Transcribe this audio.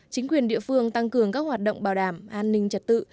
chính quyền địa phương tăng cường các hoạt động bảo đảm an ninh trật tự